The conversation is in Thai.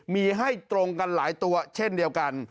มีให้ตรงกันหลายตัวเช่นเดียวกัน